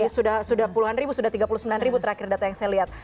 sudah puluhan ribu sudah tiga puluh sembilan ribu terakhir data yang saya lihat